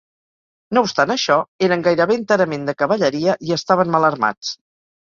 No obstant això, eren gairebé enterament de cavalleria i estaven mal armats.